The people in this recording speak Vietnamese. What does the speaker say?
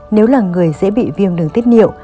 nếu là người sẽ bị viêm đường tiết niệu